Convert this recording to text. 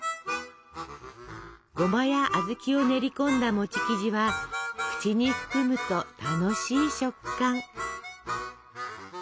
ごまや小豆を練り込んだ生地は口に含むと楽しい食感！